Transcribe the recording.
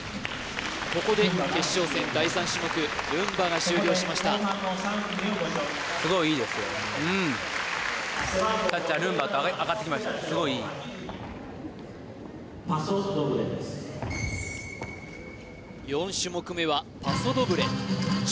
ここで決勝戦第３種目ルンバが終了しましたパソドブレです